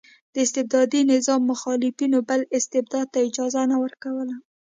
د استبدادي نظام مخالفینو بل استبداد ته اجازه نه ورکوله.